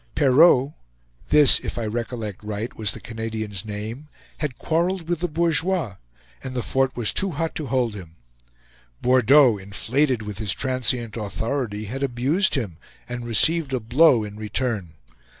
Perrault this, if I recollect right was the Canadian's name had quarreled with the bourgeois, and the fort was too hot to hold him. Bordeaux, inflated with his transient authority, had abused him, and received a blow in return.